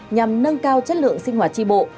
nhằm nâng cao chất lượng sinh hoạt tri bộ